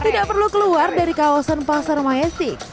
tidak perlu keluar dari kawasan pasar majestic